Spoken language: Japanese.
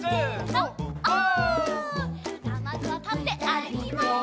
さあまずはたってあるきます！